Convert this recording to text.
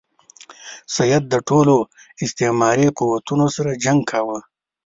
سید د ټولو استعماري قوتونو سره جنګ کاوه.